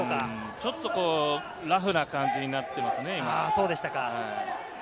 ちょっとラフな感じになっていますね。